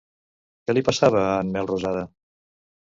Què li passava a en Melrosada?